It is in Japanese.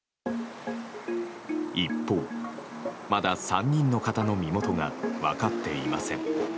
一方、まだ３人の方の身元が分かっていません。